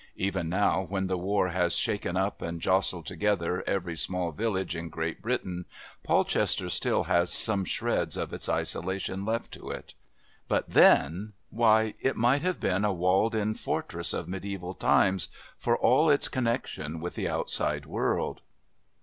Even now, when the War has shaken up and jostled together every small village in Great Britain, Polchester still has some shreds of its isolation left to it; but then why, it might have been a walled in fortress of mediaeval times, for all its connection with the outside world!